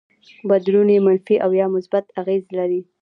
بدلون يې منفي او يا مثبت اغېز لري.